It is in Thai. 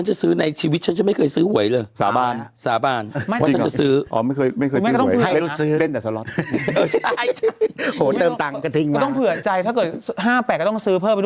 เขาจะแก้ปัญหาเรื่องหวยแพง